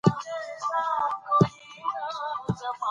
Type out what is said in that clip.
ازادي راډیو د تعلیمات د نجونو لپاره د تحول لړۍ تعقیب کړې.